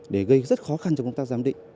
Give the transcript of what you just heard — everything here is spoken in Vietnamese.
để gây rất khó khăn cho công tác giám định